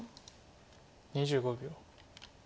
２５秒。